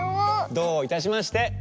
どういたしまして。